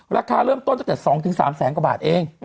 ราคาเริ่มต้นตั้งแต่๒๓แสนกว่าบาทเอง